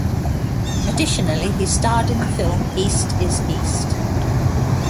Additionally, he starred in the film East is East.